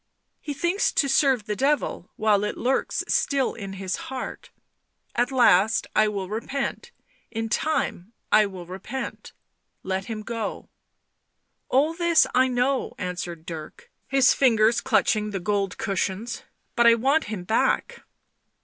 He thinks to serve the Devil while it lurks still in his heart :' At last I will repent — in time I will repent !'— let him go. " All this I know," answered Dirk, his fingers clutching the gold cushions. " But I want him back."